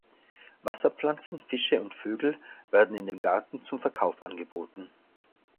Wasserpflanzen, Fische und Vögel werden in dem Garten zum Verkauf angeboten.